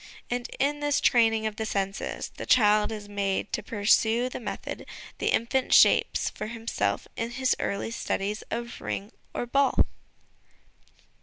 And in this training of the senses, the child is made to pursue the method the infant shapes for himself in his early studies of ring or ball.